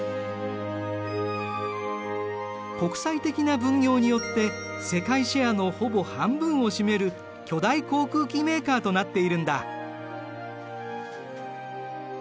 国際的な分業によって世界シェアのほぼ半分を占める巨大航空機メーカーとなっているんだ。